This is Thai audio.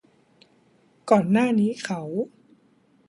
ก่อนหน้านี้เขา